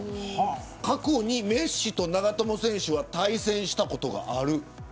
過去にメッシと長友選手は対戦したことがある。